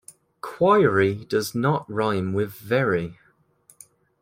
Query does not rime with very